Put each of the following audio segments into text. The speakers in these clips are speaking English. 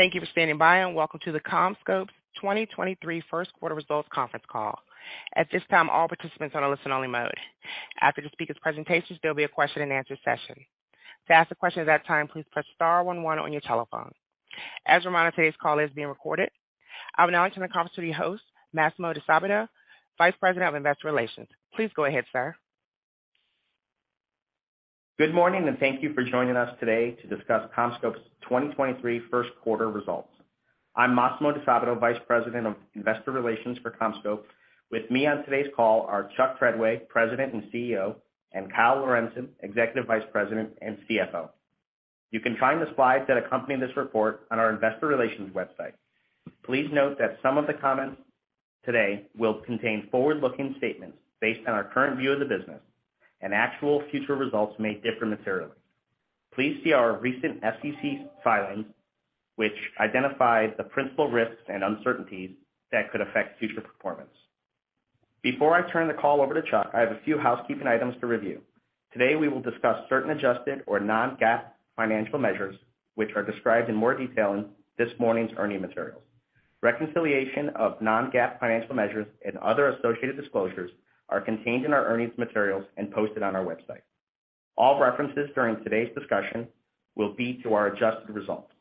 Thank you for standing by, welcome to the CommScope 2023 first quarter results conference call. At this time, all participants are on a listen-only mode. After the speaker's presentations, there'll be a question-and-answer session. To ask a question at that time, please press star one one on your telephone. As a reminder, today's call is being recorded. I will now turn the conference to the host, Massimo DiSabato, Vice President of Investor Relations. Please go ahead, sir. Good morning, thank you for joining us today to discuss CommScope's 2023 first quarter results. I'm Massimo DiSabato, Vice President of Investor Relations for CommScope. With me on today's call are Chuck Treadway, President and CEO; and Kyle Lorentzen, Executive Vice President and CFO. You can find the slides that accompany this report on our investor relations website. Please note that some of the comments today will contain forward-looking statements based on our current view of the business and actual future results may differ materially. Please see our recent FCC filings, which identify the principal risks and uncertainties that could affect future performance. Before I turn the call over to Chuck, I have a few housekeeping items to review. Today, we will discuss certain adjusted or non-GAAP financial measures, which are described in more detail in this morning's earning materials. Reconciliation of non-GAAP financial measures and other associated disclosures are contained in our earnings materials and posted on our website. All references during today's discussion will be to our adjusted results.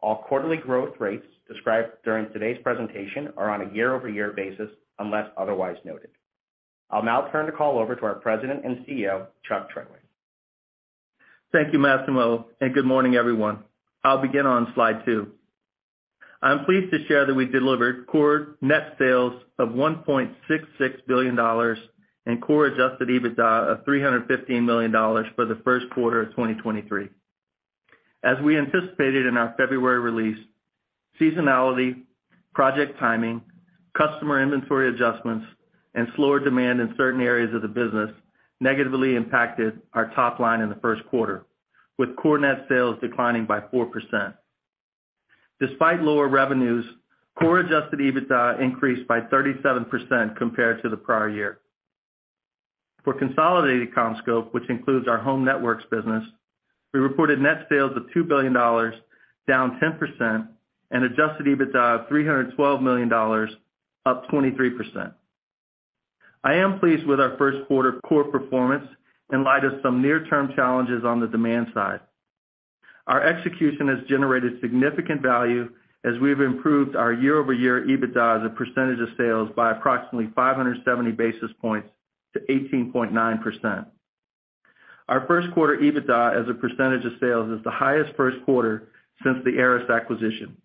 All quarterly growth rates described during today's presentation are on a year-over-year basis, unless otherwise noted. I'll now turn the call over to our President and CEO, Chuck Treadway. Thank you, Massimo. Good morning, everyone. I'll begin on slide two. I'm pleased to share that we delivered core net sales of $1.66 billion and core adjusted EBITDA of $315 million for the first quarter of 2023. As we anticipated in our February release, seasonality, project timing, customer inventory adjustments, and slower demand in certain areas of the business negatively impacted our top line in the first quarter, with core net sales declining by 4%. Despite lower revenues, core adjusted EBITDA increased by 37% compared to the prior year. For consolidated CommScope, which includes our Home Networks business, we reported net sales of $2 billion, down 10%, and adjusted EBITDA of $312 million, up 23%. I am pleased with our first quarter core performance in light of some near-term challenges on the demand side. Our execution has generated significant value as we've improved our year-over-year EBITDA as a percentage of sales by approximately 570 basis points to 18.9%. Our first quarter EBITDA as a percentage of sales is the highest first quarter since the ARRIS acquisition.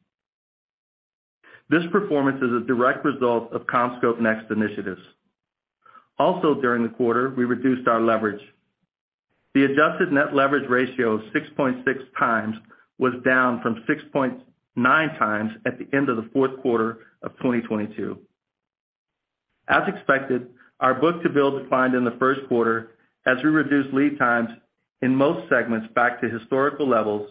This performance is a direct result of CommScope NICS initiatives. During the quarter, we reduced our leverage. The adjusted net leverage ratio of 6.6x was down from 6.9x at the end of the fourth quarter of 2022. As expected, our book-to-bill declined in the first quarter as we reduced lead times in most segments back to historical levels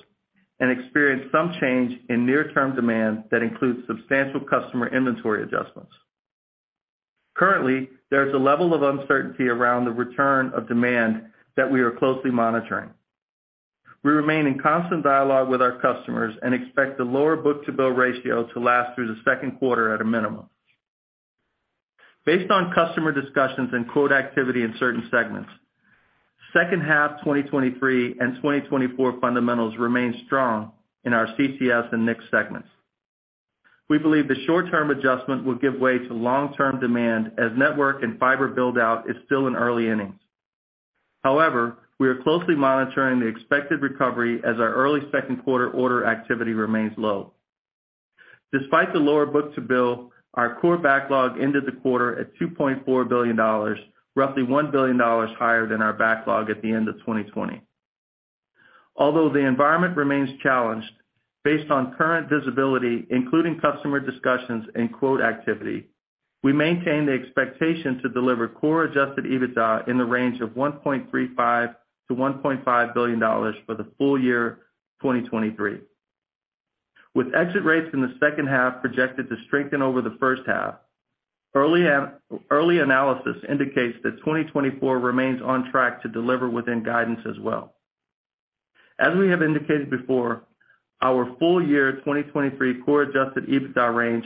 and experienced some change in near-term demand that includes substantial customer inventory adjustments. Currently, there's a level of uncertainty around the return of demand that we are closely monitoring. We remain in constant dialogue with our customers and expect the lower book-to-bill ratio to last through the second quarter at a minimum. Based on customer discussions and quote activity in certain segments, second half 2023 and 2024 fundamentals remain strong in our CCS and NICS segments. We believe the short-term adjustment will give way to long-term demand as network and fiber build-out is still in early innings. We are closely monitoring the expected recovery as our early second quarter order activity remains low. Despite the lower book-to-bill, our core backlog ended the quarter at $2.4 billion, roughly $1 billion higher than our backlog at the end of 2020. Although the environment remains challenged based on current visibility, including customer discussions and quote activity, we maintain the expectation to deliver core adjusted EBITDA in the range of $1.35 billion-$1.5 billion for the full-year 2023. With exit rates in the second half projected to strengthen over the first half, early analysis indicates that 2024 remains on track to deliver within guidance as well. As we have indicated before, our full-year 2023 core adjusted EBITDA range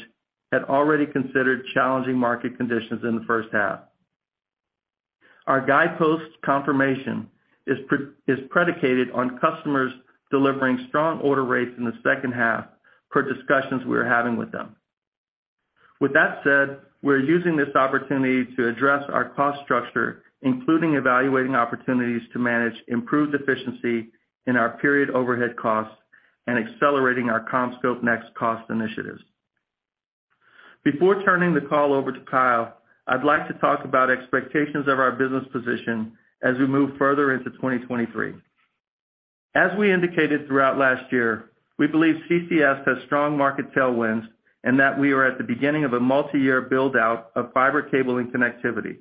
had already considered challenging market conditions in the first half. Our guideposts confirmation is predicated on customers delivering strong order rates in the second half per discussions we're having with them. With that said, we're using this opportunity to address our cost structure, including evaluating opportunities to manage improved efficiency in our period overhead costs and accelerating our CommScope NEXT cost initiatives. Before turning the call over to Kyle, I'd like to talk about expectations of our business position as we move further into 2023. As we indicated throughout last year, we believe CCS has strong market tailwinds and that we are at the beginning of a multi-year build-out of fiber cable and connectivity.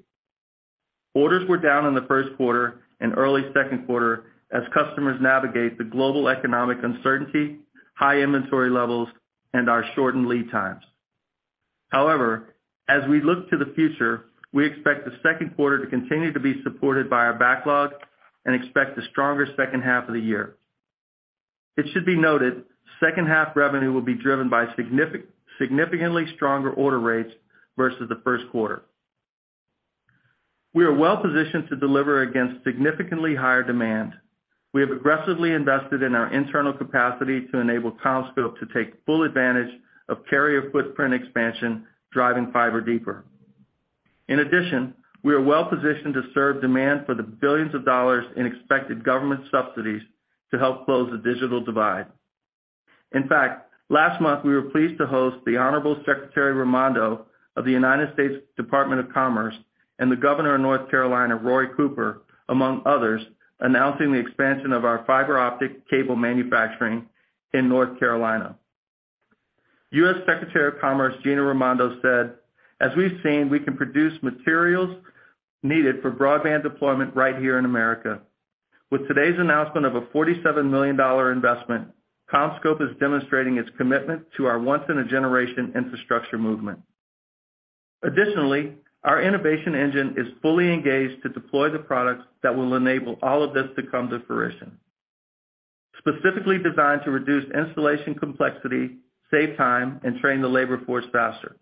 Orders were down in the first quarter and early second quarter as customers navigate the global economic uncertainty, high inventory levels, and our shortened lead times. As we look to the future, we expect the second quarter to continue to be supported by our backlog and expect a stronger second half of the year. It should be noted second half revenue will be driven by significantly stronger order rates versus the first quarter. We are well-positioned to deliver against significantly higher demand. We have aggressively invested in our internal capacity to enable CommScope to take full advantage of carrier footprint expansion, driving fiber deeper. We are well-positioned to serve demand for the billions of dollars in expected government subsidies to help close the digital divide. Last month, we were pleased to host the Honorable Secretary Raimondo of the United States Department of Commerce, and the Governor of North Carolina, Roy Cooper, among others, announcing the expansion of our fiber optic cable manufacturing in North Carolina. U.S. Secretary of Commerce, Gina Raimondo said, "As we've seen, we can produce materials needed for broadband deployment right here in America. With today's announcement of a $47 million investment, CommScope is demonstrating its commitment to our once in a generation infrastructure movement. Additionally, our innovation engine is fully engaged to deploy the products that will enable all of this to come to fruition. Specifically designed to reduce installation complexity, save time, and train the labor force faster.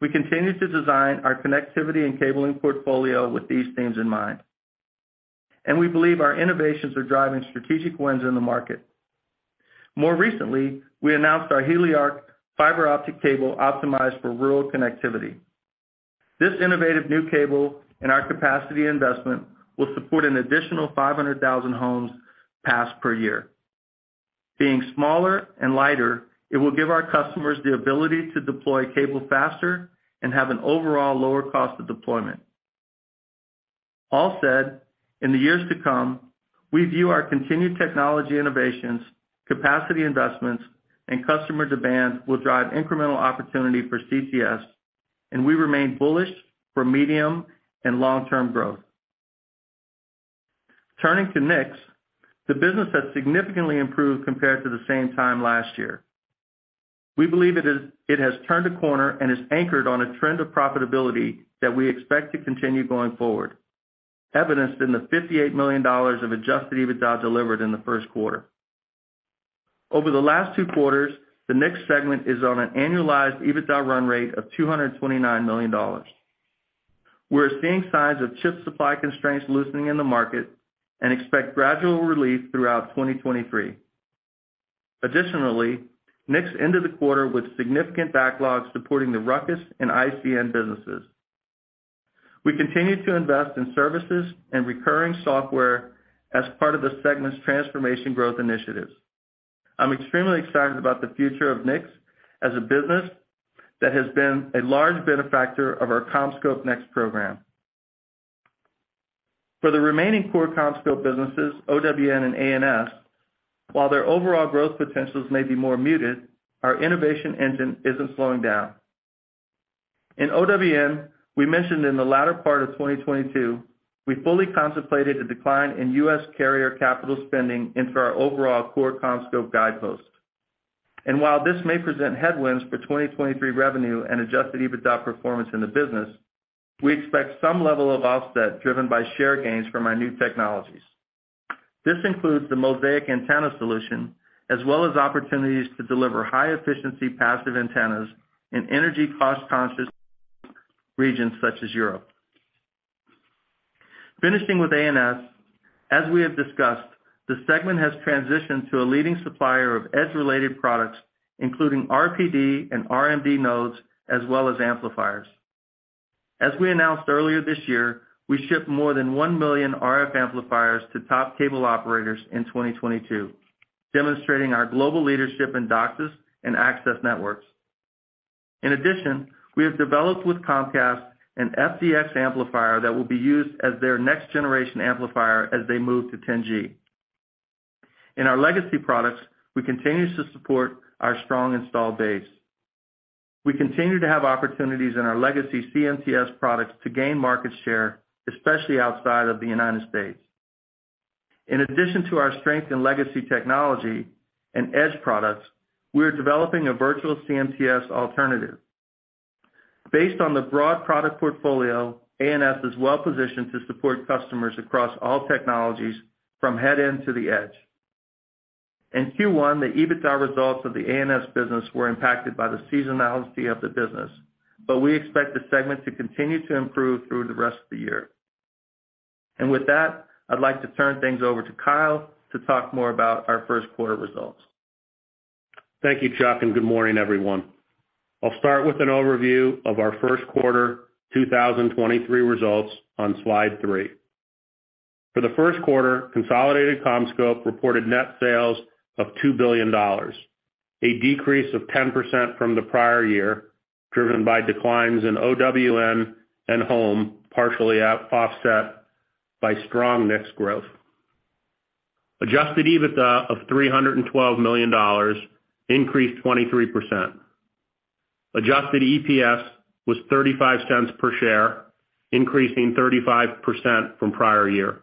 We continue to design our connectivity and cabling portfolio with these things in mind. We believe our innovations are driving strategic wins in the market. More recently, we announced our HeliARC fiber optic cable optimized for rural connectivity. This innovative new cable and our capacity investment will support an additional 500,000 homes passed per year. Being smaller and lighter, it will give our customers the ability to deploy cable faster and have an overall lower cost of deployment. All said, in the years to come, we view our continued technology innovations, capacity investments, and customer demand will drive incremental opportunity for CCS, and we remain bullish for medium and long-term growth. Turning to NICS, the business has significantly improved compared to the same time last year. We believe it has turned a corner and is anchored on a trend of profitability that we expect to continue going forward, evidenced in the $58 million of adjusted EBITDA delivered in the first quarter. Over the last two quarters, the NICS segment is on an annualized EBITDA run rate of $229 million. We're seeing signs of chip supply constraints loosening in the market and expect gradual relief throughout 2023. Additionally, NICS ended the quarter with significant backlogs supporting the RUCKUS and ICN businesses. We continue to invest in services and recurring software as part of the segment's transformation growth initiatives. I'm extremely excited about the future of NICS as a business that has been a large benefactor of our CommScope NEXT program. For the remaining core CommScope businesses, OWN and ANS, while their overall growth potentials may be more muted, our innovation engine isn't slowing down. In OWN, we mentioned in the latter part of 2022, we fully contemplated a decline in U.S. carrier capital spending into our overall core CommScope guideposts. While this may present headwinds for 2023 revenue and adjusted EBITDA performance in the business, we expect some level of offset driven by share gains from our new technologies. This includes the Mosaic antenna solution, as well as opportunities to deliver high efficiency passive antennas in energy cost-conscious regions such as Europe. Finishing with ANS, as we have discussed, the segment has transitioned to a leading supplier of edge related products, including RPD and RMD nodes, as well as amplifiers. As we announced earlier this year, we shipped more than 1 million RF amplifiers to top cable operators in 2022, demonstrating our global leadership in DOCSIS and access networks. In addition, we have developed with Comcast an FDX amplifier that will be used as their next generation amplifier as they move to 10G. In our legacy products, we continue to support our strong installed base. We continue to have opportunities in our legacy CMTS products to gain market share, especially outside of the United States. In addition to our strength in legacy technology and edge products, we are developing a virtual CMTS alternative. Based on the broad product portfolio, ANS is well positioned to support customers across all technologies from head end to the edge. In Q1, the EBITDA results of the ANS business were impacted by the seasonality of the business, but we expect the segment to continue to improve through the rest of the year. With that, I'd like to turn things over to Kyle to talk more about our first quarter results. Thank you, Chuck, and good morning, everyone. I'll start with an overview of our first quarter 2023 results on slide three. For the first quarter, consolidated CommScope reported net sales of $2 billion, a decrease of 10% from the prior year, driven by declines in OWN and home, partially out-offset by strong NICS growth. Adjusted EBITDA of $312 million increased 23%. Adjusted EPS was $0.35 per share, increasing 35% from prior year.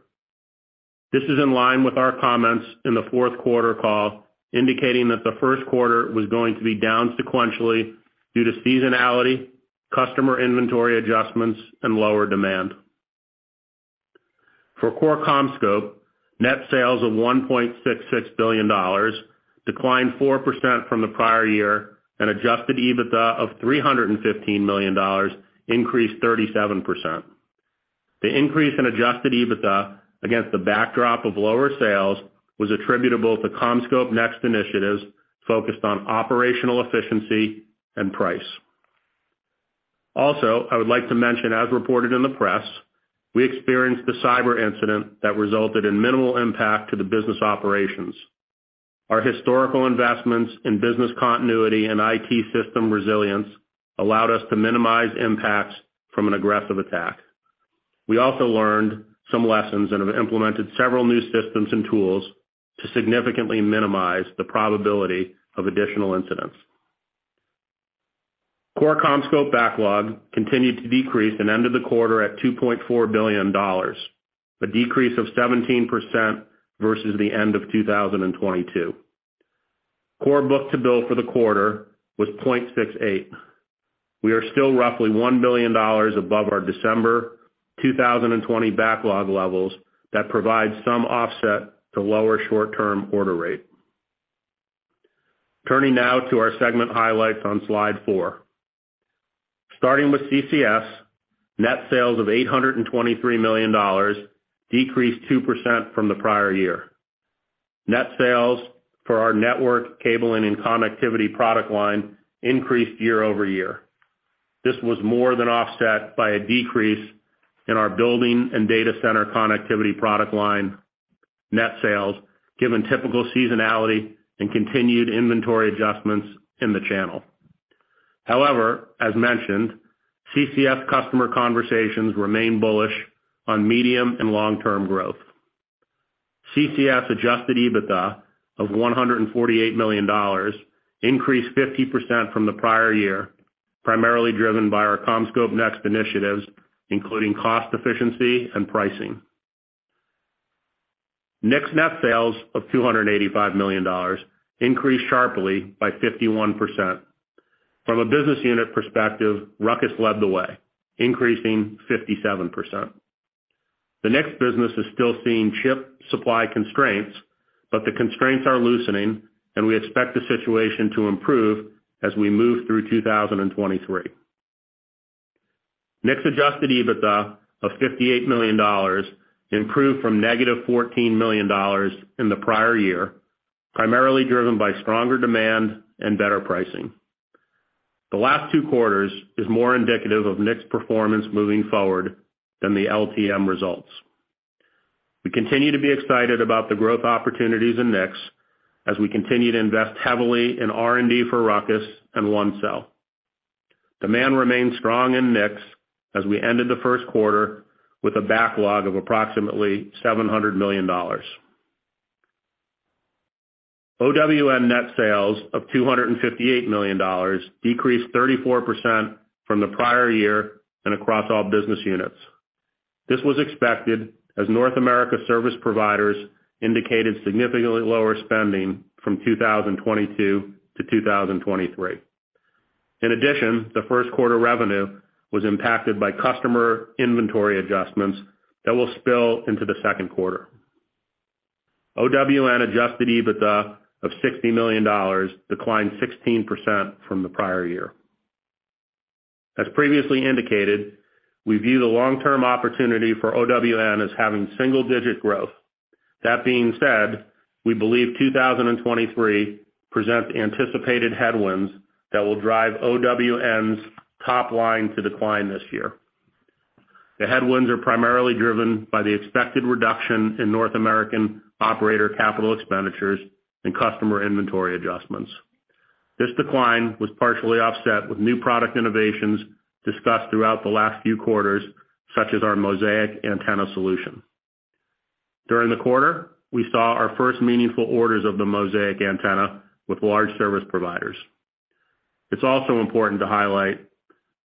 This is in line with our comments in the fourth quarter call, indicating that the first quarter was going to be down sequentially due to seasonality, customer inventory adjustments, and lower demand. For core CommScope, net sales of $1.66 billion declined 4% from the prior year, and adjusted EBITDA of $315 million increased 37%. The increase in adjusted EBITDA against the backdrop of lower sales was attributable to CommScope NEXT initiatives focused on operational efficiency and price. I would like to mention, as reported in the press, we experienced a cyber incident that resulted in minimal impact to the business operations. Our historical investments in business continuity and IT system resilience allowed us to minimize impacts from an aggressive attack. We learned some lessons and have implemented several new systems and tools to significantly minimize the probability of additional incidents. Core CommScope backlog continued to decrease and ended the quarter at $2.4 billion, a decrease of 17% versus the end of 2022. Core book-to-bill for the quarter was 0.68. We are still roughly $1 billion above our December 2020 backlog levels that provide some offset to lower short-term order rate. Turning now to our segment highlights on slide four. Starting with CCS, net sales of $823 million decreased 2% from the prior year. Net sales for our network cabling and connectivity product line increased year-over-year. This was more than offset by a decrease in our building and data center connectivity product line, net sales, given typical seasonality and continued inventory adjustments in the channel. As mentioned, CCS customer conversations remain bullish on medium and long-term growth. CCS adjusted EBITDA of $148 million increased 50% from the prior year, primarily driven by our CommScope NEXT initiatives, including cost efficiency and pricing. NICS' net sales of $285 million increased sharply by 51%. From a business unit perspective, RUCKUS led the way, increasing 57%. The NICS' business is still seeing chip supply constraints, but the constraints are loosening, and we expect the situation to improve as we move through 2023. NICS' adjusted EBITDA of $58 million improved from -$14 million in the prior year, primarily driven by stronger demand and better pricing. The last two quarters is more indicative of NICS' performance moving forward than the LTM results. We continue to be excited about the growth opportunities in NICS as we continue to invest heavily in R&D for RUCKUS and ONECELL. Demand remains strong in NICS as we ended the first quarter with a backlog of approximately $700 million. OWN net sales of $258 million decreased 34% from the prior year and across all business units. This was expected as North America service providers indicated significantly lower spending from 2022 to 2023. The first quarter revenue was impacted by customer inventory adjustments that will spill into the second quarter. OWN adjusted EBITDA of $60 million declined 16% from the prior year. As previously indicated, we view the long-term opportunity for OWN as having single-digit growth. That being said, we believe 2023 presents anticipated headwinds that will drive OWN's top line to decline this year. The headwinds are primarily driven by the expected reduction in North American operator capital expenditures and customer inventory adjustments. This decline was partially offset with new product innovations discussed throughout the last few quarters, such as our Mosaic antenna solution. During the quarter, we saw our first meaningful orders of the Mosaic antenna with large service providers. It's also important to highlight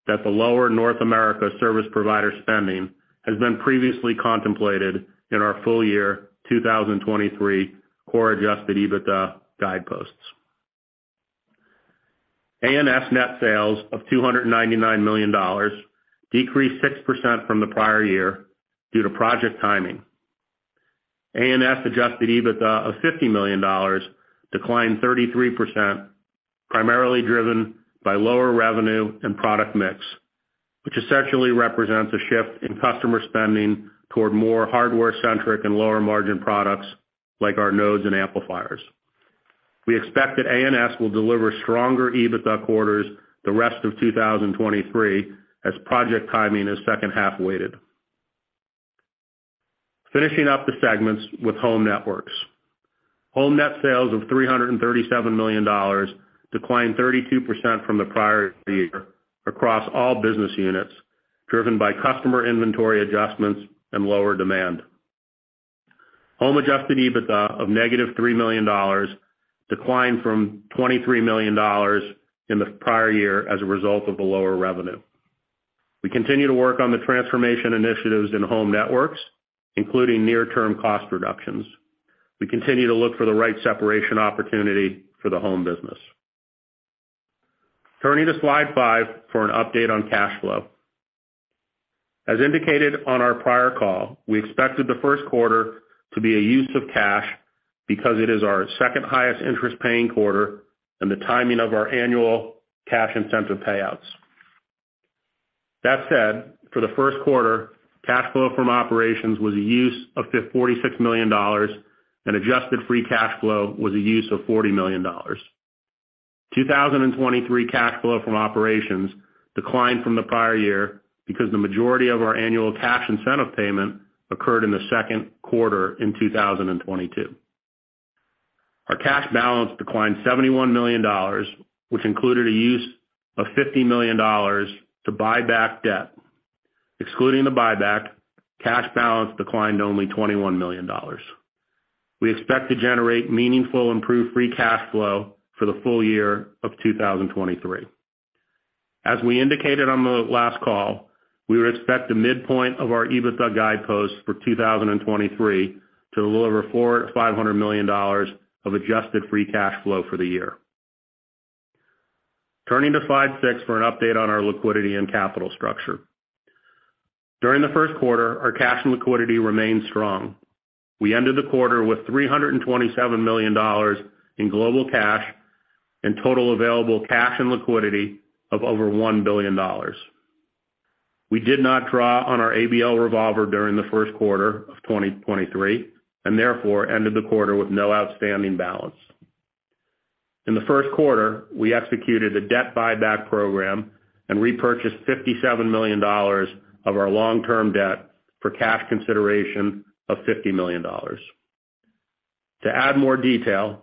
that the lower North America service provider spending has been previously contemplated in our full-year 2023 core adjusted EBITDA guideposts. ANS net sales of $299 million decreased 6% from the prior year due to project timing. ANS adjusted EBITDA of $50 million declined 33%, primarily driven by lower revenue and product mix, which essentially represents a shift in customer spending toward more hardware-centric and lower-margin products like our nodes and amplifiers. We expect that ANS will deliver stronger EBITDA quarters the rest of 2023 as project timing is second half-weighted. Finishing up the segments with Home Networks. Home net sales of $337 million declined 32% from the prior year across all business units, driven by customer inventory adjustments and lower demand. Home adjusted EBITDA of negative $3 million declined from $23 million in the prior year as a result of the lower revenue. We continue to work on the transformation initiatives in Home Networks, including near-term cost reductions. We continue to look for the right separation opportunity for the Home business. Turning to slide five for an update on cash flow. As indicated on our prior call, we expected the first quarter to be a use of cash because it is our second highest interest paying quarter and the timing of our annual cash incentive payouts. That said, for the first quarter, cash flow from operations was a use of $54 million-$60 million and adjusted free cash flow was a use of $40 million. 2023 cash flow from operations declined from the prior year because the majority of our annual cash incentive payment occurred in the second quarter in 2022. Our cash balance declined $71 million, which included a use of $50 million to buy back debt. Excluding the buyback, cash balance declined only $21 million. We expect to generate meaningful improved free cash flow for the full-year of 2023. As we indicated on the last call, we would expect the midpoint of our EBITDA guideposts for 2023 to deliver $400 million-$500 million of adjusted free cash flow for the year. Turning to slide 6 for an update on our liquidity and capital structure. During the first quarter, our cash and liquidity remained strong. We ended the quarter with $327 million in global cash and total available cash and liquidity of over $1 billion. We did not draw on our ABL revolver during the first quarter of 2023 and therefore ended the quarter with no outstanding balance. In the first quarter, we executed a debt buyback program and repurchased $57 million of our long-term debt for cash consideration of $50 million. To add more detail,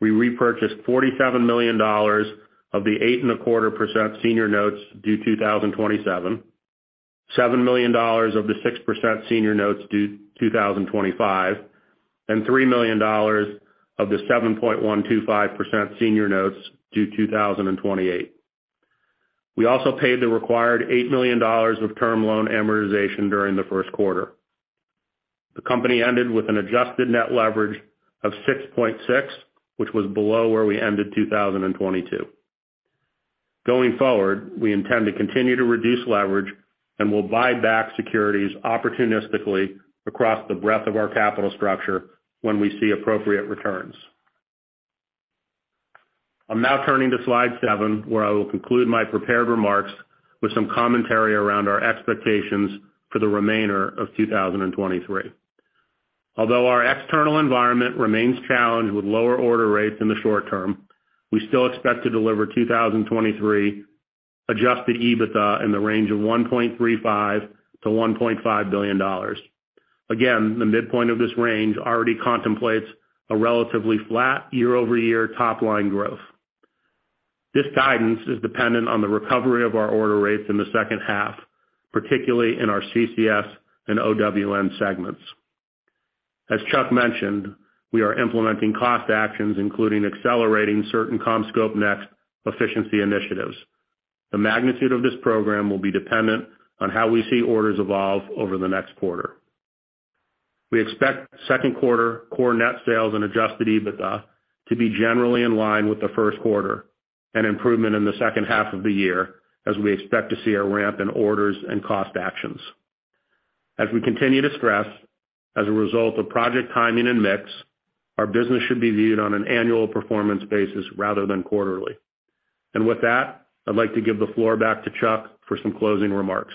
we repurchased $47 million of the eight and a quarter percent senior notes due 2027, $7 million of the 6% senior notes due 2025, and $3 million of the 7.125% senior notes due 2028. We also paid the required $8 million of term loan amortization during the first quarter. The company ended with an adjusted net leverage of 6.6, which was below where we ended 2022. Going forward, we intend to continue to reduce leverage and will buy back securities opportunistically across the breadth of our capital structure when we see appropriate returns. I'm now turning to slide seven, where I will conclude my prepared remarks with some commentary around our expectations for the remainder of 2023. Although our external environment remains challenged with lower order rates in the short term, we still expect to deliver 2023 adjusted EBITDA in the range of $1.35 billion-$1.5 billion. Again, the midpoint of this range already contemplates a relatively flat year-over-year top line growth. This guidance is dependent on the recovery of our order rates in the second half, particularly in our CCS and OWN segments. As Chuck mentioned, we are implementing cost actions, including accelerating certain CommScope NEXT efficiency initiatives. The magnitude of this program will be dependent on how we see orders evolve over the next quarter. We expect second quarter core net sales and adjusted EBITDA to be generally in line with the first quarter and improvement in the second half of the year as we expect to see a ramp in orders and cost actions. As we continue to stress, as a result of project timing and mix, our business should be viewed on an annual performance basis rather than quarterly. With that, I'd like to give the floor back to Chuck for some closing remarks.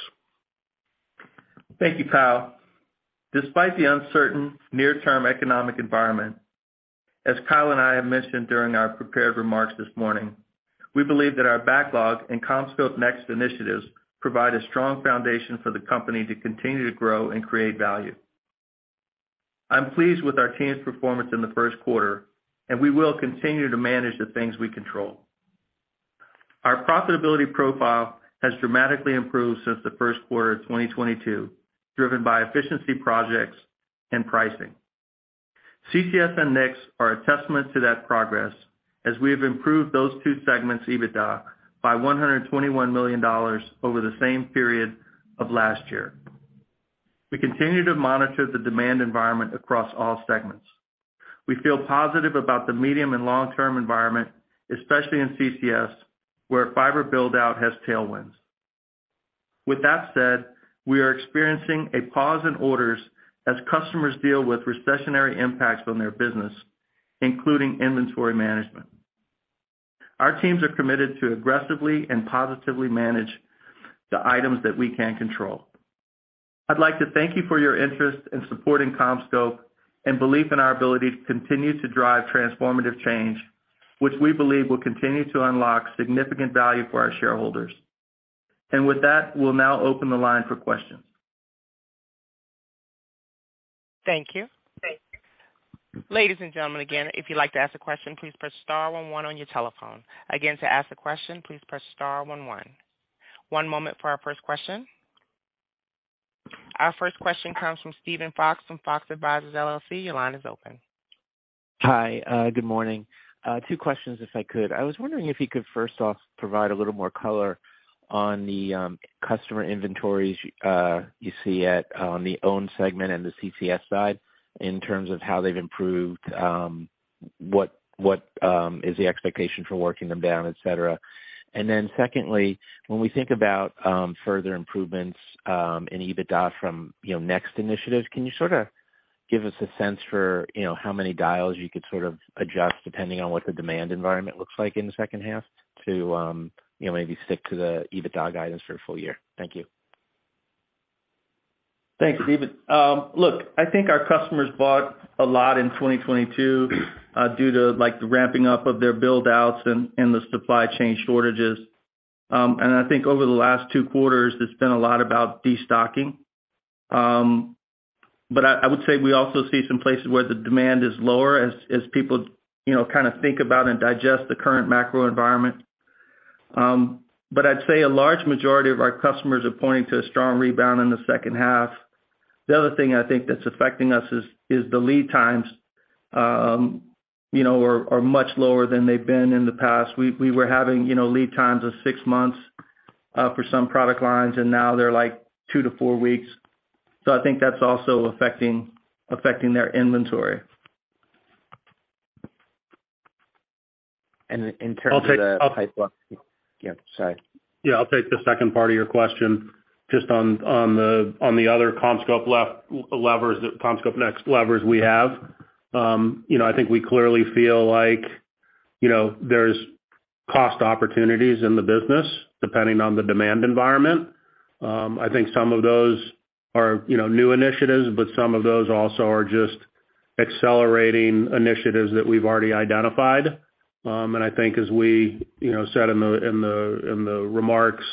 Thank you, Kyle. Despite the uncertain near-term economic environment, as Kyle and I have mentioned during our prepared remarks this morning, we believe that our backlog and CommScope NEXT initiatives provide a strong foundation for the company to continue to grow and create value. I'm pleased with our team's performance in the first quarter, and we will continue to manage the things we control. Our profitability profile has dramatically improved since the first quarter of 2022, driven by efficiency projects and pricing. CCS and Next are a testament to that progress as we have improved those two segments EBITDA by $121 million over the same period of last year. We continue to monitor the demand environment across all segments. We feel positive about the medium and long-term environment, especially in CCS, where fiber build-out has tailwinds. With that said, we are experiencing a pause in orders as customers deal with recessionary impacts on their business, including inventory management. Our teams are committed to aggressively and positively manage the items that we can control. I'd like to thank you for your interest in supporting CommScope and belief in our ability to continue to drive transformative change, which we believe will continue to unlock significant value for our shareholders. With that, we'll now open the line for questions. Thank you. Ladies and gentlemen, again, if you'd like to ask a question, please press star one one on your telephone. Again, to ask a question, please press star one one. One moment for our first question. Our first question comes from Steven Fox from Fox Advisors LLC. Your line is open. Hi. Good morning. Two questions if I could. I was wondering if you could first off provide a little more color on the customer inventories you see at the OWN segment and the CCS side in terms of how they've improved, what is the expectation for working them down, et cetera. Secondly, when we think about further improvements in EBITDA from, you know, NEXT initiatives, can you sort of give us a sense for, you know, how many dials you could sort of adjust depending on what the demand environment looks like in the second half to, you know, maybe stick to the EBITDA guidance for full-year? Thank you. Thanks, Steven. look, I think our customers bought a lot in 2022, due to like the ramping up of their build outs and the supply chain shortages. I think over the last two quarters, it's been a lot about destocking. I would say we also see some places where the demand is lower as people, you know, kind of think about and digest the current macro environment. I'd say a large majority of our customers are pointing to a strong rebound in the second half. The other thing I think that's affecting us is the lead times, you know, are much lower than they've been in the past. We were having, you know, lead times of six months, for some product lines, and now they're like 2-4 weeks. I think that's also affecting their inventory. In terms of the I'll take. Yeah, sorry. Yeah, I'll take the second part of your question just on the other CommScope levers, CommScope NEXT levers we have. You know, I think we clearly feel like, you know, there's cost opportunities in the business depending on the demand environment. I think some of those are, you know, new initiatives, some of those also are just accelerating initiatives that we've already identified. I think as we, you know, said in the remarks,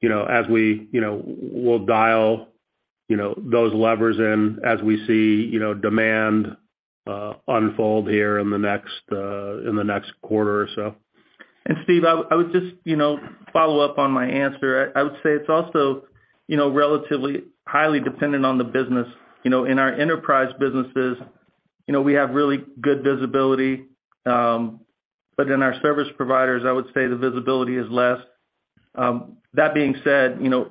you know, as we, you know, we'll dial, you know, those levers in as we see, you know, demand unfold here in the next in the next quarter or so. Steve, I would just, you know, follow up on my answer. I would say it's also, you know, relatively highly dependent on the business. You know, in our enterprise businesses, you know, we have really good visibility. In our service providers, I would say the visibility is less. That being said, you know,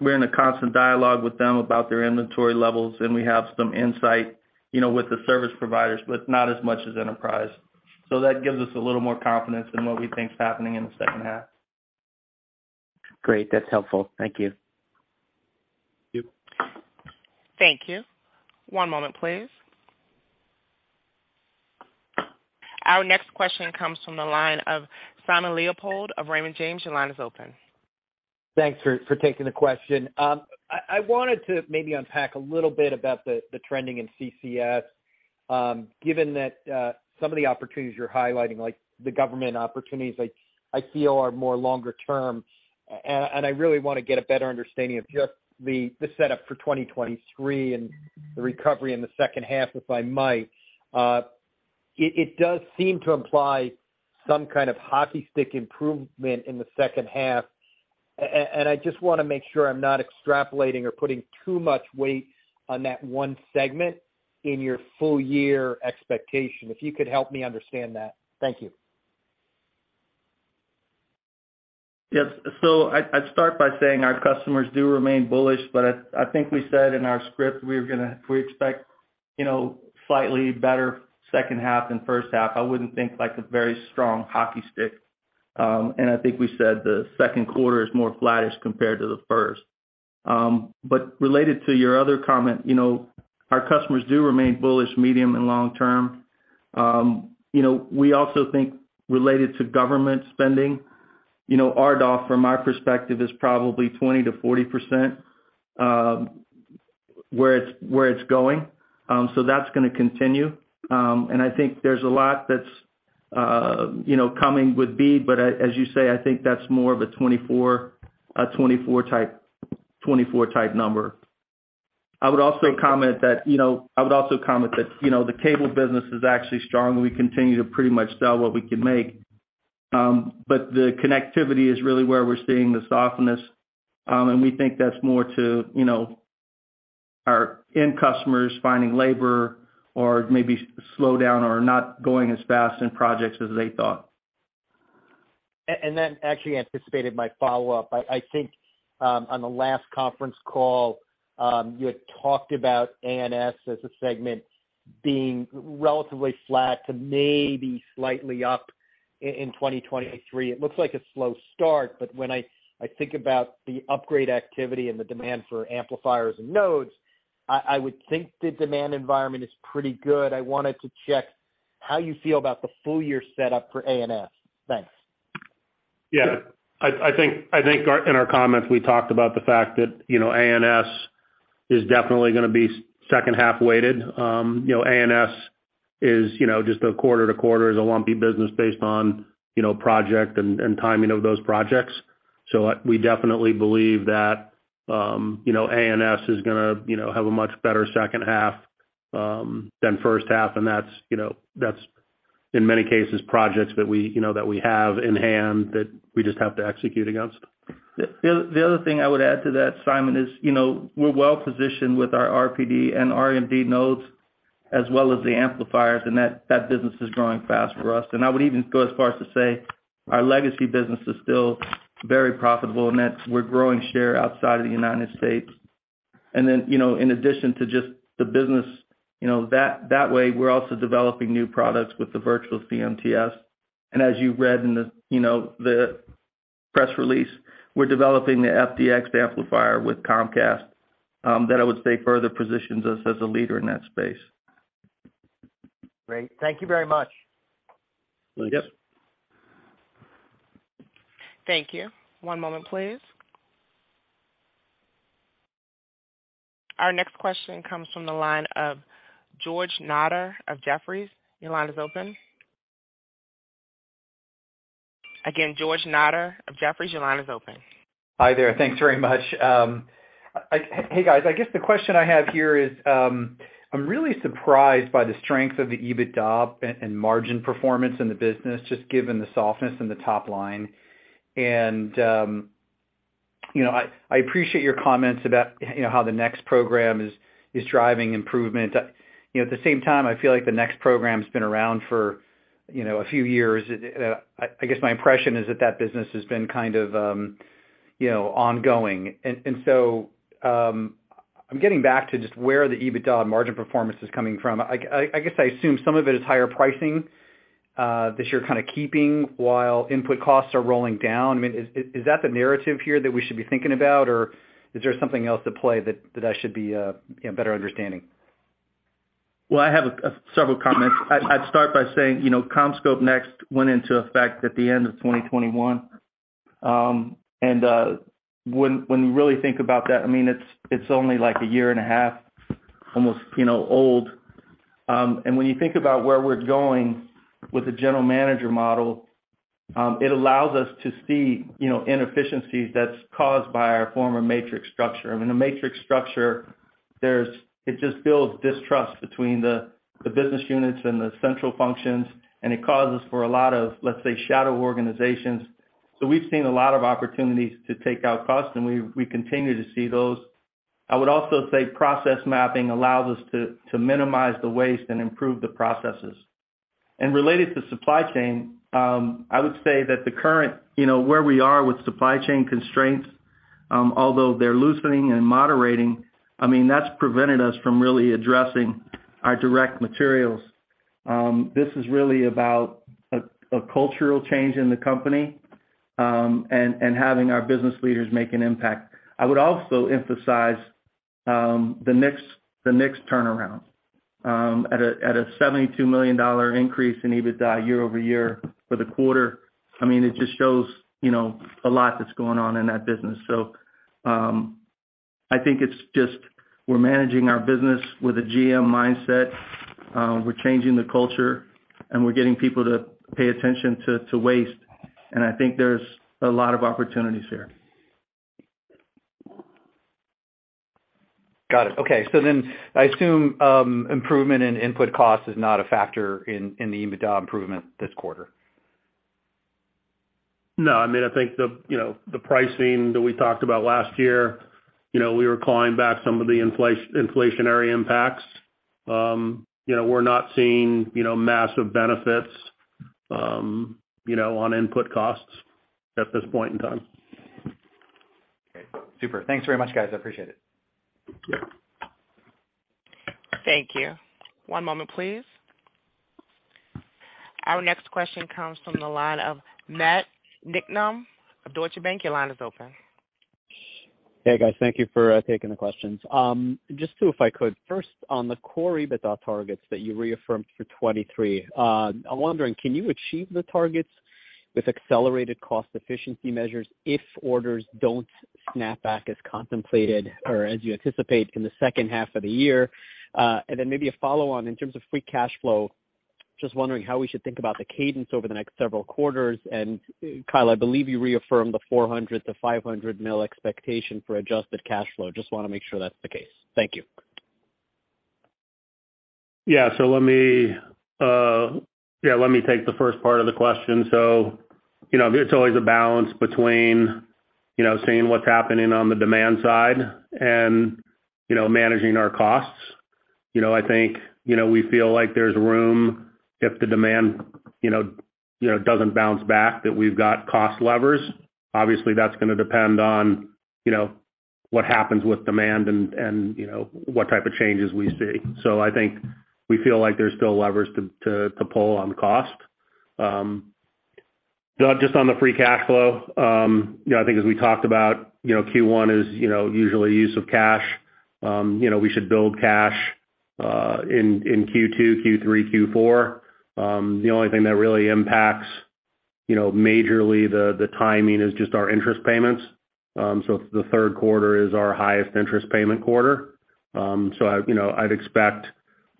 we're in a constant dialogue with them about their inventory levels, and we have some insight, you know, with the service providers, but not as much as enterprise. That gives us a little more confidence in what we think is happening in the second half. Great. That's helpful. Thank you. Yep. Thank you. One moment, please. Our next question comes from the line of Simon Leopold of Raymond James. Your line is open. Thanks for taking the question. I wanted to maybe unpack a little bit about the trending in CCS, given that some of the opportunities you're highlighting, like the government opportunities, I feel are more longer term. I really wanna get a better understanding of just the setup for 2023 and the recovery in the second half, if I might. It does seem to imply some kind of hockey stick improvement in the second half. I just wanna make sure I'm not extrapolating or putting too much weight on that one segment in your full-year expectation. If you could help me understand that. Thank you. Yes. I'd start by saying our customers do remain bullish, but I think we said in our script we expect, you know, slightly better second half than first half. I wouldn't think like a very strong hockey stick. I think we said the second quarter is more flattish compared to the first. Related to your other comment, you know, our customers do remain bullish, medium and long term. You know, we also think related to government spending, you know, RDOF from my perspective is probably 20%-40%, where it's going. That's gonna continue. I think there's a lot that's, you know, coming with BEAD, but as you say, I think that's more of a 2024, a 2024 type, 2024 type number. I would also comment that, you know, the cable business is actually strong. We continue to pretty much sell what we can make. But the connectivity is really where we're seeing the softness. And we think that's more to, you know, our end customers finding labor or maybe slow down or not going as fast in projects as they thought. That actually anticipated my follow-up. I think, on the last conference call, you had talked about ANS as a segment being relatively flat to maybe slightly up in 2023. It looks like a slow start, but when I think about the upgrade activity and the demand for amplifiers and nodes, I would think the demand environment is pretty good. I wanted to check how you feel about the full-year set up for ANS. Thanks. I think, I think our, in our comments, we talked about the fact that, you know, ANS is definitely gonna be second half weighted. you know, ANS is, you know, just a quarter to quarter is a lumpy business based on, you know, project and timing of those projects. we definitely believe that, you know, ANS is gonna, you know, have a much better second half than first half, and that's, you know, In many cases, projects that we, you know, that we have in hand that we just have to execute against. The other thing I would add to that, Simon, is, you know, we're well-positioned with our RPD and RMD nodes as well as the amplifiers, and that business is growing fast for us. I would even go as far as to say our legacy business is still very profitable, and that we're growing share outside of the United States. Then, you know, in addition to just the business, you know, that way, we're also developing new products with the virtual CMTS. As you read in the, you know, the press release, we're developing the FDX amplifier with Comcast, that I would say further positions us as a leader in that space. Great. Thank you very much. Yep. Thanks. Thank you. One moment, please. Our next question comes from the line of George Notter of Jefferies. Your line is open. Again, George Notter of Jefferies, your line is open. Hi there. Thanks very much. Hey, guys. I guess the question I have here is, I'm really surprised by the strength of the EBITDA and margin performance in the business, just given the softness in the top line. You know, I appreciate your comments about, you know, how the Next program is driving improvement. You know, at the same time, I feel like the Next program's been around for, you know, a few years. It, I guess my impression is that that business has been kind of, you know, ongoing. I'm getting back to just where the EBITDA and margin performance is coming from. I guess I assume some of it is higher pricing that you're kind of keeping while input costs are rolling down. I mean, is that the narrative here that we should be thinking about? Is there something else at play that I should be, you know, better understanding? I have several comments. I'd start by saying, you know, CommScope NEXT went into effect at the end of 2021. When you really think about that, I mean, it's only, like, a year and a half almost, you know, old. When you think about where we're going with the general manager model, it allows us to see, you know, inefficiencies that's caused by our former matrix structure. I mean, the matrix structure, it just builds distrust between the business units and the central functions, and it causes for a lot of, let's say, shadow organizations. We've seen a lot of opportunities to take out costs, and we continue to see those. I would also say process mapping allows us to minimize the waste and improve the processes. Related to supply chain, I would say that the current, you know, where we are with supply chain constraints, although they're loosening and moderating, I mean, that's prevented us from really addressing our direct materials. This is really about a cultural change in the company, and having our business leaders make an impact. I would also emphasize the NEXT turnaround at a $72 million increase in EBITDA year-over-year for the quarter. I mean, it just shows, you know, a lot that's going on in that business. I think it's just we're managing our business with a GM mindset, we're changing the culture, and we're getting people to pay attention to waste. I think there's a lot of opportunities here. Got it. Okay. I assume, improvement in input cost is not a factor in the EBITDA improvement this quarter. No. I mean, I think the, you know, the pricing that we talked about last year, you know, we were calling back some of the inflationary impacts. You know, we're not seeing, you know, massive benefits, you know, on input costs at this point in time. Okay. Super. Thanks very much, guys. I appreciate it. Yeah. Thank you. One moment, please. Our next question comes from the line of Matt Niknam of Deutsche Bank. Your line is open. Hey, guys. Thank you for taking the questions. Just two, if I could. First, on the core EBITDA targets that you reaffirmed for 2023, I'm wondering, can you achieve the targets with accelerated cost efficiency measures if orders don't snap back as contemplated or as you anticipate in the second half of the year? Then maybe a follow-on in terms of free cash flow, just wondering how we should think about the cadence over the next several quarters. Kyle, I believe you reaffirmed the $400 million-$500 million expectation for adjusted cash flow. Just wanna make sure that's the case. Thank you. Yeah, let me, yeah, let me take the first part of the question. You know, it's always a balance between, you know, seeing what's happening on the demand side and, you know, managing our costs. You know, I think, you know, we feel like there's room if the demand, you know, you know, doesn't bounce back, that we've got cost levers. Obviously, that's gonna depend on, you know, what happens with demand and, you know, what type of changes we see. I think we feel like there's still levers to pull on cost. Just on the free cash flow, you know, I think as we talked about, you know, Q1 is, you know, usually use of cash. You know, we should build cash in Q2, Q3, Q4. The only thing that really impacts, you know, majorly the timing is just our interest payments. The third quarter is our highest interest payment quarter. I've, you know, I'd expect,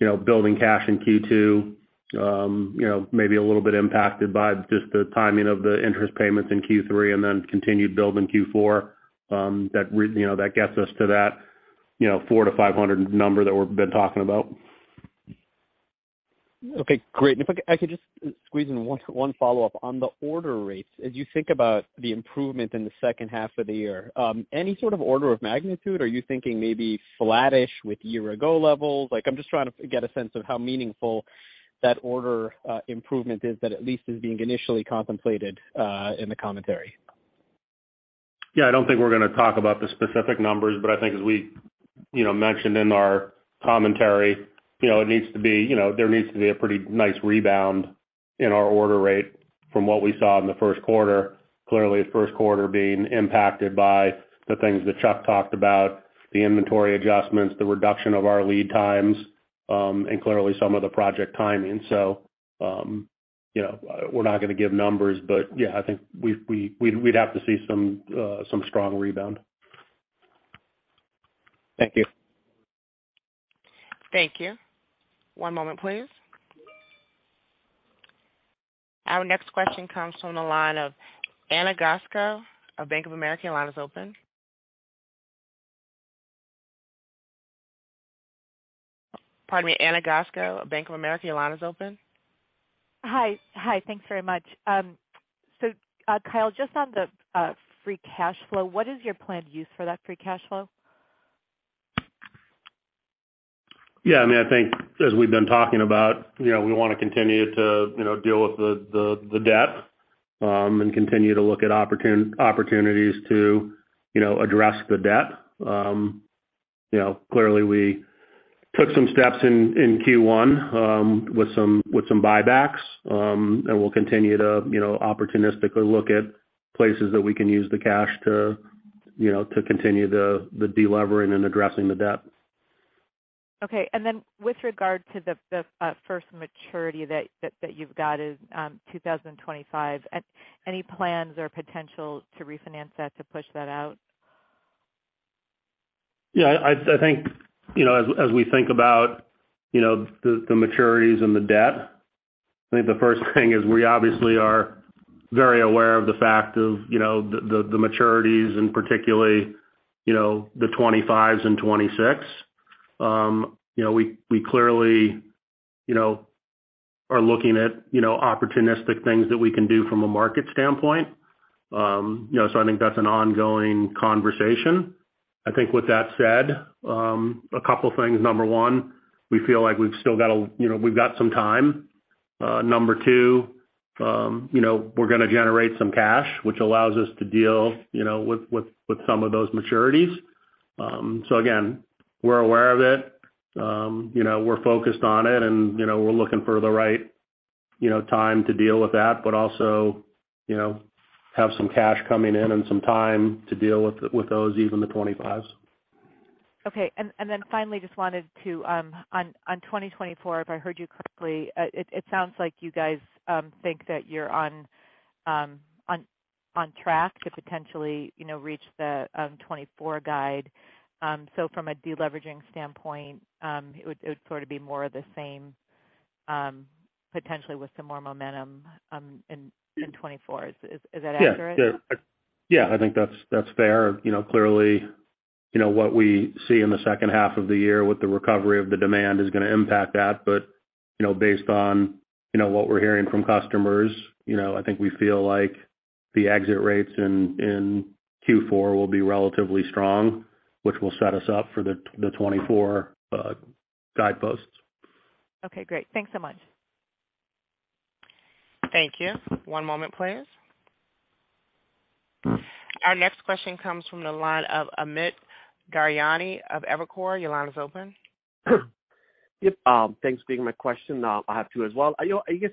you know, building cash in Q2, you know, maybe a little bit impacted by just the timing of the interest payments in Q3, and then continued build in Q4, that, you know, that gets us to that. You know, $400-$500 number that we've been talking about. Okay, great. If I could just squeeze in one follow-up. On the order rates, as you think about the improvement in the second half of the year, any sort of order of magnitude? Are you thinking maybe flattish with year ago levels? Like, I'm just trying to get a sense of how meaningful that order improvement is that at least is being initially contemplated in the commentary. I don't think we're gonna talk about the specific numbers, but I think as we, you know, mentioned in our commentary, you know, it needs to be, you know, there needs to be a pretty nice rebound in our order rate from what we saw in the first quarter. Clearly, the first quarter being impacted by the things that Chuck talked about, the inventory adjustments, the reduction of our lead times, and clearly some of the project timing. We're not gonna give numbers, but yeah, I think we'd have to see some strong rebound. Thank you. Thank you. One moment, please. Our next question comes from the line of Wamsi Mohan of Bank of America. Your line is open. Pardon me, Wamsi Mohan of Bank of America, your line is open. Hi. Thanks very much. Kyle, just on the free cash flow, what is your planned use for that free cash flow? Yeah, I mean, I think as we've been talking about, you know, we wanna continue to, you know, deal with the debt and continue to look at opportunities to, you know, address the debt. You know, clearly we took some steps in Q1 with some buybacks and we'll continue to, you know, opportunistically look at places that we can use the cash to, you know, to continue the de-levering and addressing the debt. Okay, with regard to the first maturity that you've got in 2025, any plans or potential to refinance that to push that out? Yeah, I think, you know, as we think about, you know, the maturities and the debt, I think the first thing is we obviously are very aware of the fact of, you know, the maturities and particularly, you know, the 2025 and 2026. You know, we clearly, you know, are looking at, you know, opportunistic things that we can do from a market standpoint. You know, I think that's an ongoing conversation. I think with that said, a couple things. Number one, we feel like we've still got. You know, we've got some time. Number two, you know, we're gonna generate some cash, which allows us to deal, you know, with some of those maturities. Again, we're aware of it. You know, we're focused on it, and, you know, we're looking for the right, you know, time to deal with that, but also, you know, have some cash coming in and some time to deal with those, even the 25s. Okay. Then finally, just wanted to, on 2024, if I heard you correctly, it sounds like you guys think that you're on track to potentially, you know, reach the 2024 guide. From a deleveraging standpoint, it would sort of be more of the same, potentially with some more momentum, in 2024. Is that accurate? Yeah. Yeah. Yeah, I think that's fair. You know, clearly, you know, what we see in the second half of the year with the recovery of the demand is gonna impact that. Based on, you know, what we're hearing from customers, you know, I think we feel like the exit rates in Q4 will be relatively strong, which will set us up for the 2024 guideposts. Okay, great. Thanks so much. Thank you. One moment, please. Our next question comes from the line of Amit Daryanani of Evercore. Your line is open. Yep. Thanks for taking my question. I have two as well. You know, the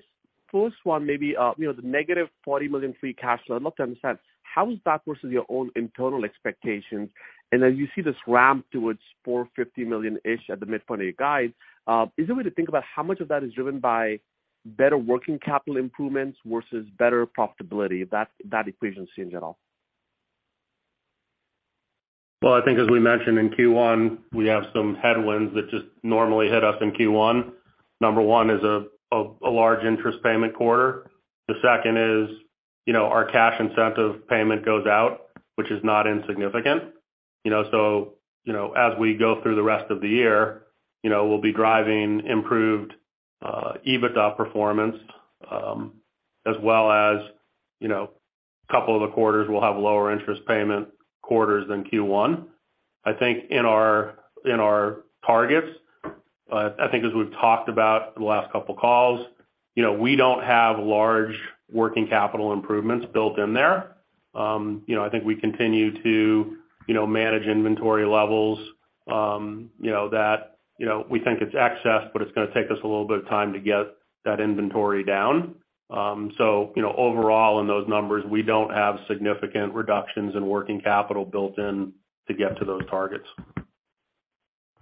-$40 million free cash flow, I'd love to understand, how is that versus your own internal expectations? As you see this ramp towards $450 million-ish at the midpoint of your guide, is there a way to think about how much of that is driven by better working capital improvements versus better profitability, if that equation stays at all? Well, I think as we mentioned in Q1, we have some headwinds that just normally hit us in Q1. Number one is a large interest payment quarter. The second is, you know, our cash incentive payment goes out, which is not insignificant. You know, as we go through the rest of the year, you know, we'll be driving improved EBITDA performance, as well as, you know, couple of the quarters will have lower interest payment quarters than Q1. I think in our, in our targets, I think as we've talked about the last couple calls, you know, we don't have large working capital improvements built in there. You know, I think we continue to, you know, manage inventory levels, you know, that, you know, we think it's excess, but it's gonna take us a little bit of time to get that inventory down. Overall in those numbers, we don't have significant reductions in working capital built in to get to those targets.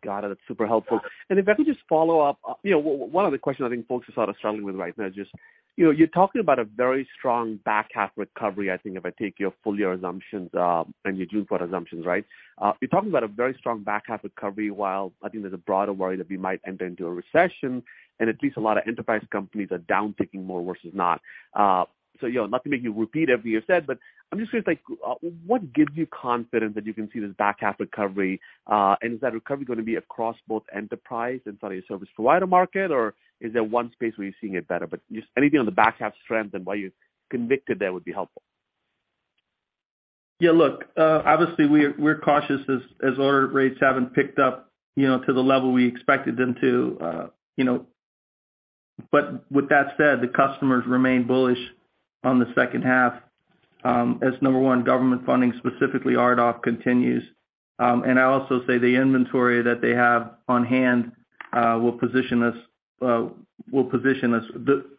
Got it. That's super helpful. If I could just follow up. You know, one other question I think folks are sort of struggling with right now is just, you know, you're talking about a very strong back half recovery, I think, if I take your full-year assumptions, and your June quarter assumptions, right? You're talking about a very strong back half recovery while I think there's a broader worry that we might enter into a recession, and at least a lot of enterprise companies are down picking more versus not. You know, not to make you repeat everything you said, but I'm just curious, like, what gives you confidence that you can see this back half recovery? Is that recovery gonna be across both enterprise inside of your service provider market, or is there one space where you're seeing it better? Just anything on the back half strength and why you're convicted there would be helpful. Yeah, look, obviously we're cautious as order rates haven't picked up, you know, to the level we expected them to, you know. With that said, the customers remain bullish on the second half, as number one government funding, specifically RDOF, continues. I also say the inventory that they have on hand, will position us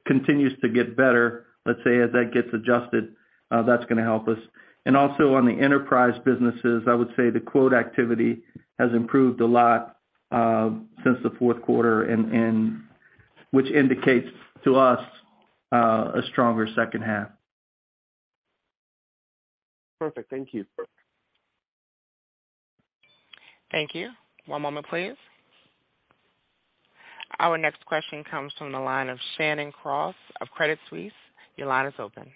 continues to get better. Let's say as that gets adjusted, that's gonna help us. Also on the enterprise businesses, I would say the quote activity has improved a lot, since the fourth quarter and which indicates to us, a stronger second half. Perfect. Thank you. Thank you. One moment, please. Our next question comes from the line of Shannon Cross of Credit Suisse. Your line is open.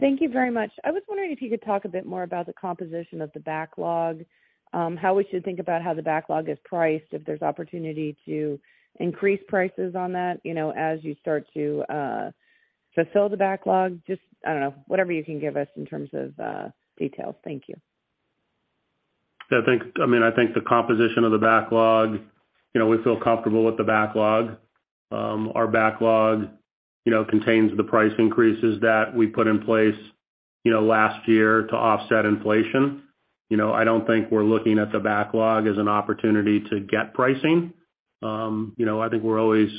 Thank you very much. I was wondering if you could talk a bit more about the composition of the backlog, how we should think about how the backlog is priced, if there's opportunity to increase prices on that, you know, as you start to fulfill the backlog? Just, I don't know, whatever you can give us in terms of details. Thank you. Yeah, I think, I mean, I think the composition of the backlog, you know, we feel comfortable with the backlog. Our backlog, you know, contains the price increases that we put in place, you know, last year to offset inflation. You know, I don't think we're looking at the backlog as an opportunity to get pricing. You know, I think we're always,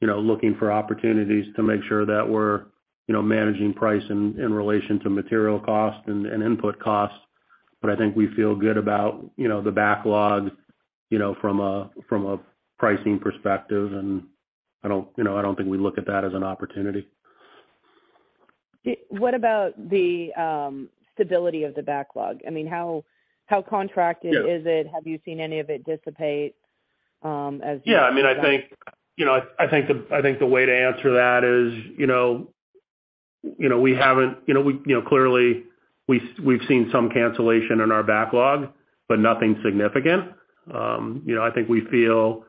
you know, looking for opportunities to make sure that we're, you know, managing price in relation to material cost and input costs. I think we feel good about, you know, the backlog, you know, from a, from a pricing perspective, and I don't, you know, I don't think we look at that as an opportunity. What about the stability of the backlog? I mean, how contracted- Yeah. Is it? Have you seen any of it dissipate? Yeah. I mean, I think, you know, I think the, I think the way to answer that is, you know, you know, we haven't, you know, we, you know, clearly we've seen some cancellation in our backlog, but nothing significant. You know, I think we feel,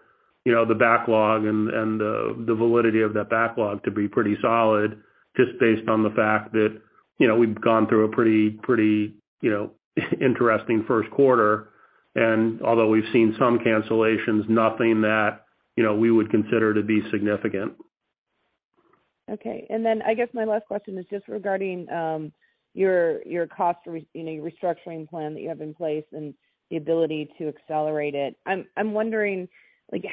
you know, the backlog and the validity of that backlog to be pretty solid just based on the fact that, you know, we've gone through a pretty, you know, interesting first quarter. Although we've seen some cancellations, nothing that, you know, we would consider to be significant. Okay. I guess my last question is just regarding, your cost you know, restructuring plan that you have in place and the ability to accelerate it. I'm wondering, like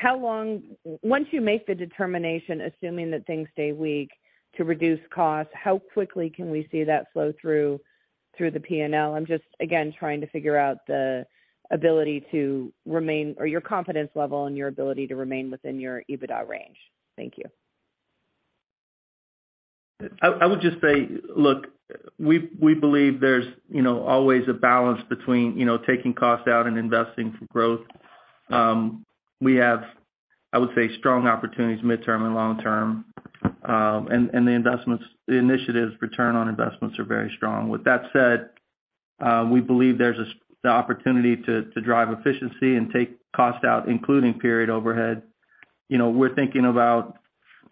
Once you make the determination, assuming that things stay weak, to reduce costs, how quickly can we see that flow through the P&L? I'm just, again, trying to figure out the ability to remain or your confidence level and your ability to remain within your EBITDA range. Thank you. I would just say, look, we believe there's, you know, always a balance between, you know, taking costs out and investing for growth. We have, I would say, strong opportunities mid-term and long-term. The investments, the initiatives return on investments are very strong. With that said, we believe there's the opportunity to drive efficiency and take cost out, including period overhead. You know, we're thinking about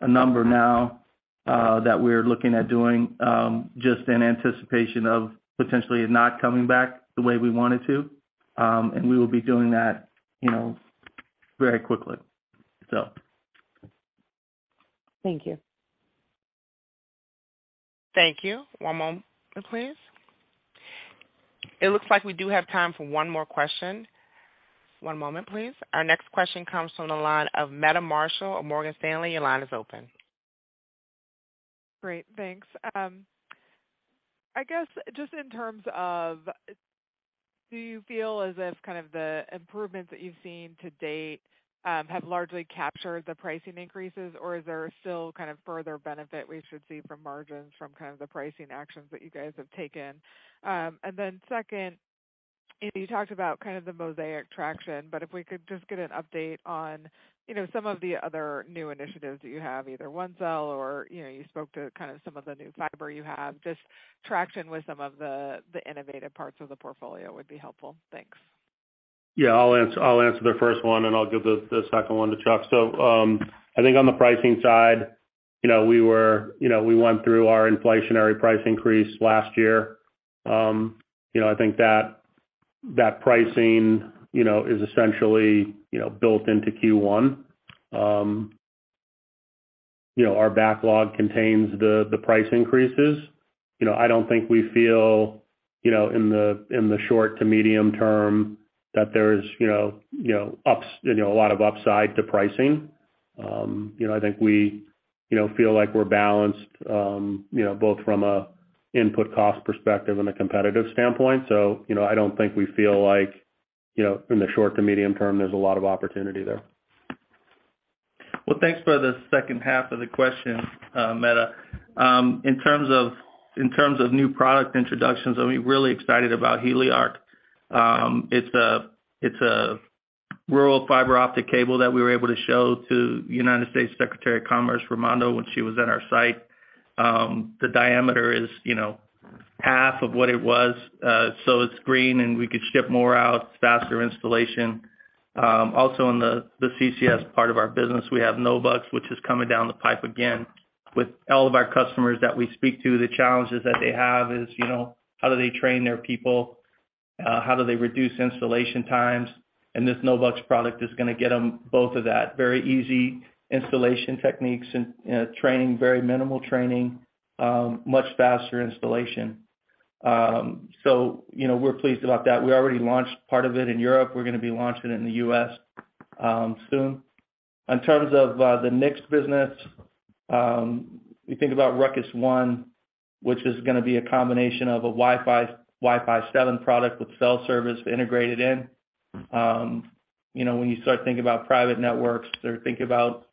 a number now that we're looking at doing just in anticipation of potentially it not coming back the way we want it to. We will be doing that, you know, very quickly. Thank you. Thank you. One moment, please. It looks like we do have time for one more question. One moment, please. Our next question comes from the line of Meta Marshall of Morgan Stanley. Your line is open. Great, thanks. I guess just in terms of do you feel as if kind of the improvements that you've seen to date, have largely captured the pricing increases, or is there still kind of further benefit we should see from margins from kind of the pricing actions that you guys have taken? Second, you talked about kind of the Mosaic traction, but if we could just get an update on some of the other new initiatives that you have, either OneCell or, you spoke to kind of some of the new fiber you have, just traction with some of the innovative parts of the portfolio would be helpful. Thanks. Yeah. I'll answer the first one, I'll give the second one to Chuck. I think on the pricing side, you know, we were, you know, we went through our inflationary price increase last year. You know, I think that pricing, you know, is essentially, you know, built into Q1. You know, our backlog contains the price increases. You know, I don't think we feel, you know, in the short to medium term that there's, you know, a lot of upside to pricing. You know, I think we, you know, feel like we're balanced, you know, both from a input cost perspective and a competitive standpoint. You know, I don't think we feel like, you know, in the short to medium term, there's a lot of opportunity there. Well, thanks for the second half of the question, Meta. In terms of new product introductions, I mean, we're really excited about HeliARC. It's a rural fiber optic cable that we were able to show to United States Secretary of Commerce Raimondo when she was at our site. The diameter is, you know, half of what it was. It's green and we could ship more out, faster installation. Also in the CCS part of our business, we have NoVUX, which is coming down the pipe again. With all of our customers that we speak to, the challenges that they have is, you know, how do they train their people? How do they reduce installation times? This NoVUX product is gonna get them both of that. Very easy installation techniques and training, very minimal training, much faster installation. You know, we're pleased about that. We already launched part of it in Europe. We're gonna be launching it in the U.S. soon. In terms of the next business, we think about RUCKUS One, which is gonna be a combination of a Wi-Fi 7 product with cell service integrated in. You know, when you start thinking about private networks or think about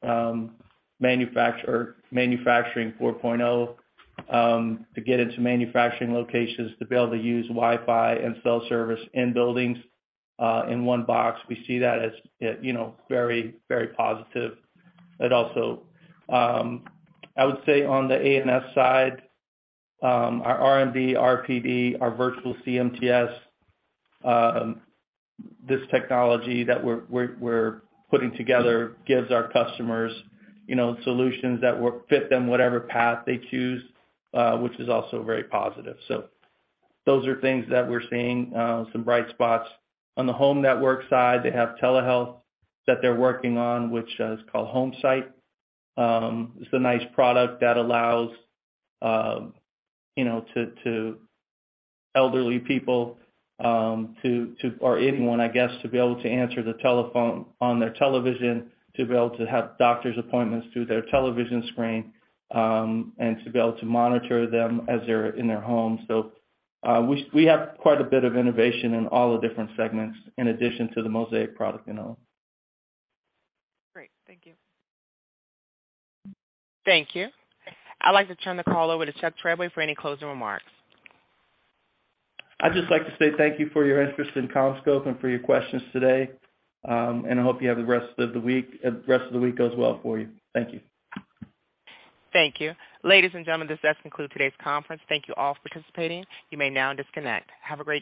Manufacturing 4.0, to get into manufacturing locations to be able to use Wi-Fi and cell service in buildings, in one box, we see that as, you know, very, very positive. It also, I would say on the ANS side, our RPD, our virtual CMTS, this technology that we're putting together gives our customers, you know, solutions that will fit them whatever path they choose, which is also very positive. Those are things that we're seeing some bright spots. On the Home Networks side, they have telehealth that they're working on, which is called HomeSight. It's a nice product that allows, you know, to elderly people to or anyone, I guess, to be able to answer the telephone on their television, to be able to have doctor's appointments through their television screen, and to be able to monitor them as they're in their home. We have quite a bit of innovation in all the different segments in addition to the Mosaic product, you know. Great. Thank you. Thank you. I'd like to turn the call over to Chuck Treadway for any closing remarks. I'd just like to say thank you for your interest in CommScope and for your questions today. I hope rest of the week goes well for you. Thank you. Thank you. Ladies and gentlemen, this does conclude today's conference. Thank you all for participating. You may now disconnect. Have a great day.